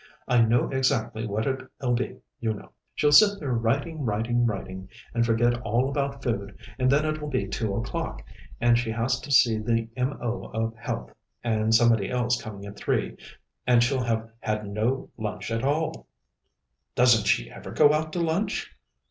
"I know exactly what it'll be, you know. She'll sit there writing, writing, writing, and forget all about food, and then it'll be two o'clock, and she has to see the M.O. of Health and somebody else coming at three and she'll have had no lunch at all." "Doesn't she ever go out to lunch?"